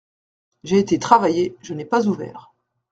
J’ai été travailler, je n’ai pas ouvert.